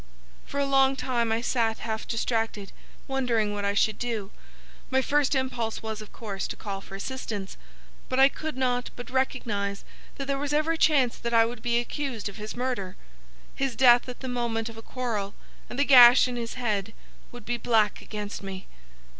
"'For a long time I sat half distracted, wondering what I should do. My first impulse was, of course, to call for assistance; but I could not but recognise that there was every chance that I would be accused of his murder. His death at the moment of a quarrel, and the gash in his head, would be black against me.